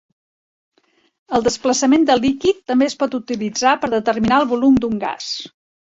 El desplaçament de líquid també es pot utilitzar per determinar el volum d'un gas.